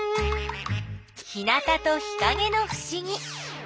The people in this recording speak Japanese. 日なたと日かげのふしぎ。